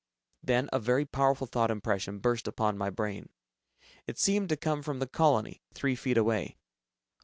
Then a very powerful thought impression burst upon my brain. It seemed to come from the colony, three feet away.